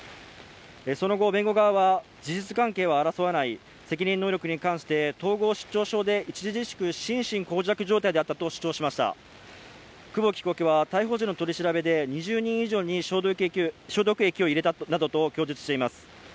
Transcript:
その後弁護側は事実関係は争わない責任能力に関して統合失調症で著しく心神耗弱状態だったと主張しました久保木被告は逮捕時の取り調べで２０人以上に消毒液を入れたなどと供述しています